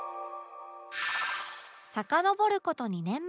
さかのぼる事２年前